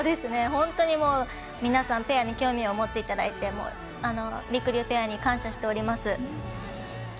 本当に、皆さんペアに興味を持っていただいてりくりゅうペアに感謝しております。